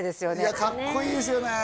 いやかっこいいですよね